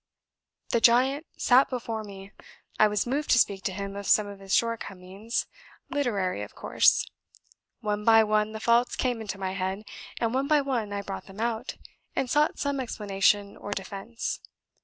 The giant sate before me; I was moved to speak to him of some of his short comings (literary of course); one by one the faults came into my head, and one by one I brought them out, and sought some explanation or defence.